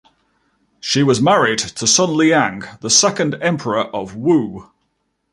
She was married to Sun Liang, the second emperor of Wu.